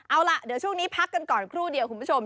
เอาล่ะเดี๋ยวช่วงนี้พักกันก่อนครู่เดียวคุณผู้ชม